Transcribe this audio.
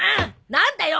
何だよ！